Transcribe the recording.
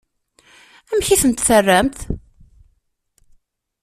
Amek i ten-terramt?